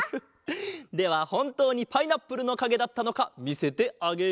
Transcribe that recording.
ではほんとうにパイナップルのかげだったのかみせてあげよう。